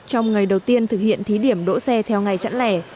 trong ngày đầu tiên thực hiện thí điểm đỗ xe theo ngày chẵn lẻ